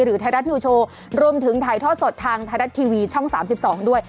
ไทยรัฐนิวโชว์รวมถึงถ่ายทอดสดทางไทยรัฐทีวีช่อง๓๒ด้วย